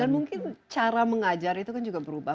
dan mungkin cara mengajar itu kan juga berubah